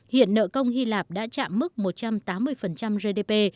hiện nợ công hy lạp đã chạm mức một trăm tám mươi gdp